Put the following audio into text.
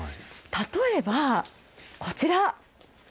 例えば、こちら。